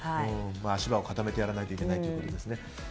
足場を固めてやらないといけないということですね。